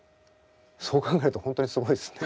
そう考えると本当にすごいっすね。